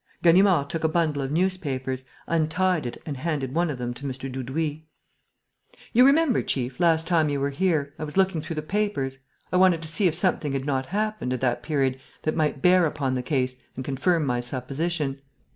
Ganimard took a bundle of newspapers, untied it and handed one of them to Mr. Dudouis: "You remember, chief, last time you were here, I was looking through the papers.... I wanted to see if something had not happened, at that period, that might bear upon the case and confirm my supposition.